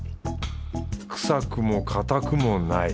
臭くもかたくもない。